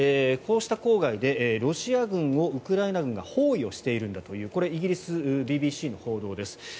こうした郊外でロシア軍をウクライナ軍が包囲しているんだというイギリス、ＢＢＣの報道です。